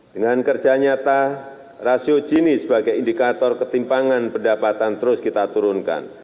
dengan kerja nyata rasio gini sebagai indikator ketimpangan pendapatan terus kita turunkan